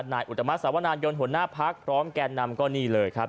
อุตมะสาวนายนหัวหน้าพักพร้อมแก่นำก็นี่เลยครับ